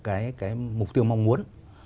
cái mục tiêu mong muốn